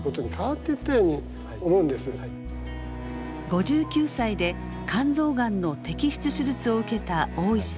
５９歳で肝臓がんの摘出手術を受けた大石さん。